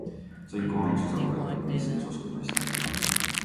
Sain kohe alguses aru, et ta on mees, kes oskab naist kätel kanda.